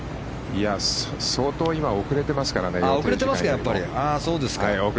相当、今遅れてますからね。